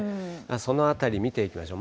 そのあたり見ていきましょう。